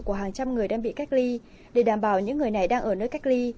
của hàng trăm người đang bị cách ly để đảm bảo những người này đang ở nơi cách ly